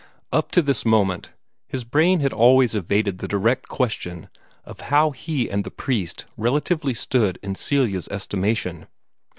Up to this moment, his brain had always evaded the direct question of how he and the priest relatively stood in Celia's estimation.